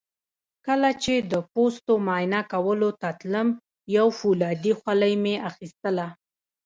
کله چې د پوستو معاینه کولو ته تلم یو فولادي خولۍ مې اخیستله.